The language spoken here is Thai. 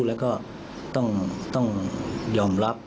แล้วก็ต้องยอมรับ